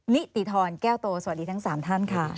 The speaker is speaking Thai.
นิติธรแก้วโตสวัสดีทั้ง๓ท่านค่ะ